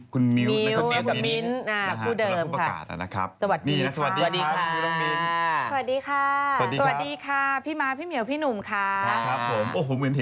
โคโภหน้ามันเหมือนกับ